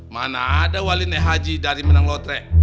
mana ada wali nehaji dari menang lotre